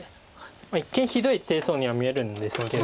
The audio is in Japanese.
一見ひどい手には見えるんですけど。